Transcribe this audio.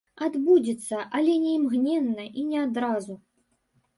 Адбудзецца, але не імгненна і не адразу.